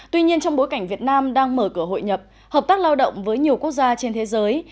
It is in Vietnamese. tuy nhiên trong bối cảnh việt nam đang mở cửa hội nhập hợp tác lao động với nhiều quốc gia trên thế giới